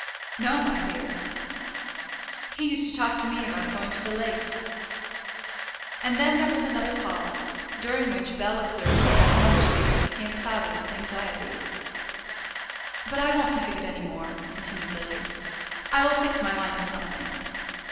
"No, my dear." "He used to talk to me about going to the lakes." And then there was another pause, during which Bell observed that her mother's face became clouded with anxiety. "But I won't think of it any more," continued Lily; "I will fix my mind to something."